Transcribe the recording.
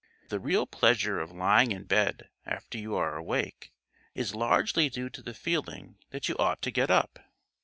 The real pleasure of lying in bed after you are awake is largely due to the feeling that you ought to get up.